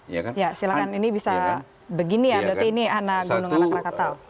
ya silahkan ini bisa begini ya berarti ini anak gunung anak rakatau